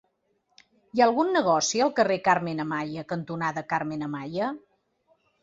Hi ha algun negoci al carrer Carmen Amaya cantonada Carmen Amaya?